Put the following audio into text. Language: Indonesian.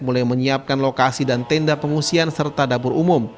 mulai menyiapkan lokasi dan tenda pengungsian serta dapur umum